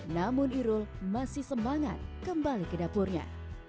namun irul masih semangat kembali ke dapurnya